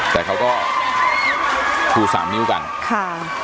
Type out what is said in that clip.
แต่เขาก็ชูสามนิ้วกันค่ะ